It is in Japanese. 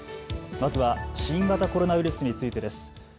まずは新型コロナウイルスについてです。